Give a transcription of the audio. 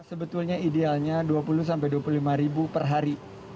sebetulnya idealnya dua puluh sampai dua puluh lima ribu per hari